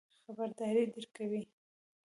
خبرداری درکوو.